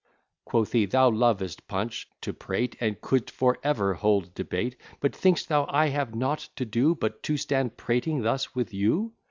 Quoth he, "Thou lovest, Punch, to prate, And couldst for ever hold debate; But think'st thou I have nought to do But to stand prating thus with you?